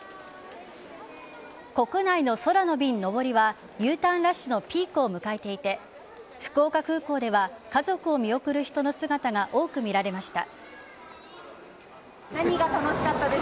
国内の空の便上りはＵターンラッシュのピークを迎えていて福岡空港では家族を見送る人の姿が多く見られました。